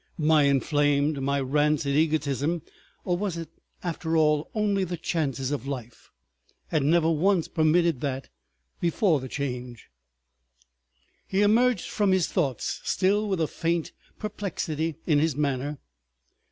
My inflamed, my rancid egotism—or was it after all only the chances of life?—had never once permitted that before the Change. He emerged from his thoughts, still with a faint perplexity in his manner.